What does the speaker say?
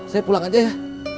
saya pulang aja ya